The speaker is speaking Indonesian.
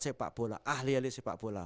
sepak bola ahli ahli sepak bola